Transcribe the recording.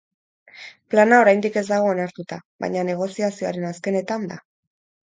Plana oraindik ez dago onartuta, baina negoziazioaren azkenetan da.